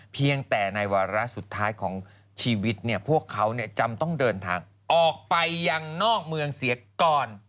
เพียงแต่ในวาระสุดท้ายของชีวิตพวกเขาจำต้องเดินทางออกไปยังนอกเมืองเสียก่อน